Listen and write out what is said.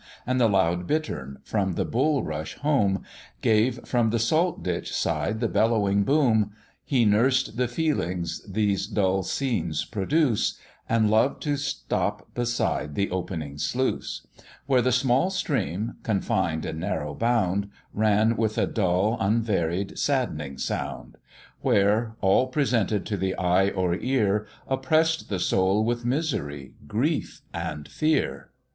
And the loud bittern, from the bull rush home, Gave from the salt ditch side the bellowing boom: He nursed the feelings these dull scenes produce, And loved to stop beside the opening sluice; Where the small stream, confined in narrow bound, Ran with a dull, unvaried, sadd'ning sound; Where all, presented to the eye or ear, Oppresss'd the soul with misery, grief, and fear.